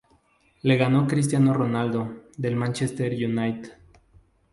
Lo ganó Cristiano Ronaldo, del Manchester United.